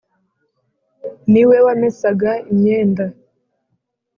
ni we wamesaga imyenda